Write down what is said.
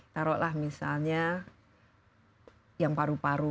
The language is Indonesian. taruh lah misalnya yang paru paru